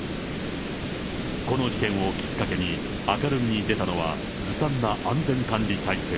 この事件をきっかけに明るみに出たのは、ずさんな安全管理体制。